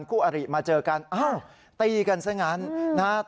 คู่อริมาเจอกันอ้าวตีกันซะงั้น